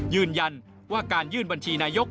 ยืนยันว่าการยื่นบัญชีนายก